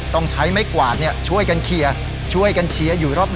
ต้องใช้ไม้กวาดเนี่ยช่วยกันเคียช่วยกันเชียอยู่รอบ